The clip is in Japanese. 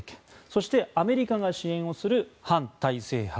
そして、アメリカが支援をする反体制派。